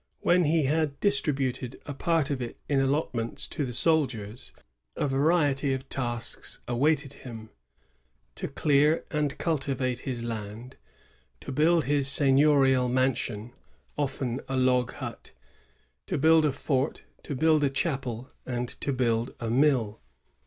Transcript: When he had distributed a part of it in allotments to the soldiers, a variety of tasks awaited him, — to clear and cultivate his land; U) build his seigniorial mansion, often a log hut; to build a fort ; to build a chapel ; and to build a mill.